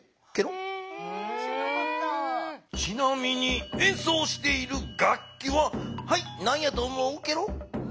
ちなみに演奏している楽器は何やと思うゲロ？